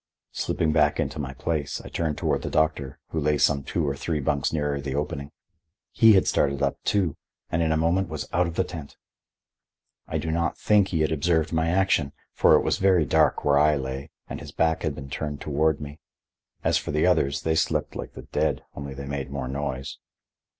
Slipping back into my place, I turned toward the doctor, who lay some two or three bunks nearer the opening. He had started up, too, and in a moment was out of the tent. I do not think he had observed my action, for it was very dark where I lay and his back had been turned toward me. As for the others, they slept like the dead, only they made more noise.